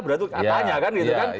berarti katanya kan gitu kan